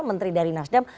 menteri dari nasdem